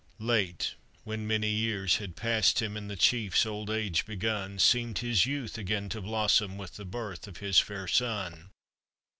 Late, when many years had passed him, And the chief's old age begun, Seemed his youth again to blossom, With the birth of his fair son.